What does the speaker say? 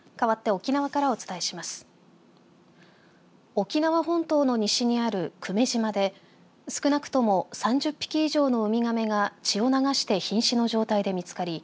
沖縄本島の西にある久米島で少なくとも３０匹以上のウミガメが血を流してひん死の状態で見つかり